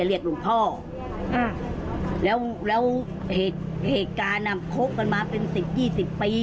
เรียกหลวงพ่ออ่าแล้วแล้วเหตุการณ์อ่ะคบกันมาเป็นสิบยี่สิบปี